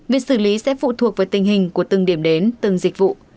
việc xử lý sẽ phụ thuộc vào tình hình của từng điểm đến từng dịch vụ